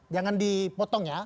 jangan dipotong ya